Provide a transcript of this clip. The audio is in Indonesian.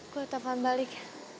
gue tambah balik